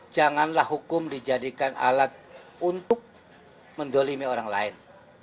janganlah hukum dijadikan alat untuk mendolimi orang lain